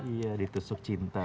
iya ditusuk cinta